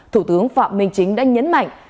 thủ tướng phạm minh chính đã nhấn mạnh